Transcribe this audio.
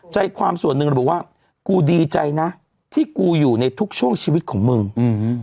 ใจความส่วนหนึ่งระบุว่ากูดีใจนะที่กูอยู่ในทุกช่วงชีวิตของมึงอืม